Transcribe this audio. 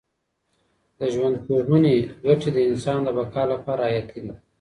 د ژوندپوهنې ګټې د انسان د بقا لپاره حیاتي دي.